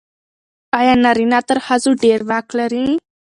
آیا نارینه تر ښځو ډېر واک لري؟